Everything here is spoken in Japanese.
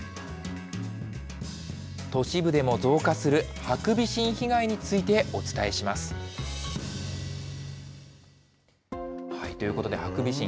都市部でも増加するハクビシン被害についてお伝えします。ということでハクビシン。